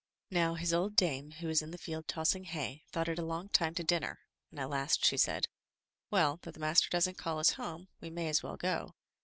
Now, his old dame, who was in the field tossing hay, thought it a long time to dinner, and at last she said: "Well! though the master doesn't call us home, we may as well go.